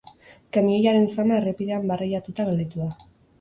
Kamioiaren zama errepidean barreiatuta gelditu da.